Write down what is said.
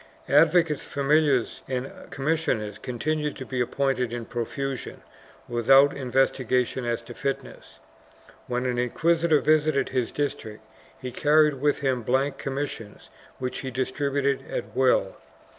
Advocates, familiars and commissioners continued to be appointed in profusion, with out investigation as to fitness. When an inquisitor visited his district he carried with him blank commissions which he dis tributed at will.